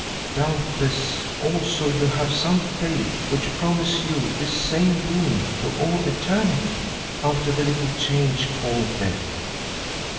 Doubtless, also, you have some faith which promises you this same boon to all eternity, after the little change called Death.